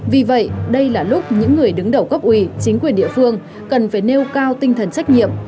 vì vậy đây là lúc những người đứng đầu cấp ủy chính quyền địa phương cần phải nêu cao tinh thần trách nhiệm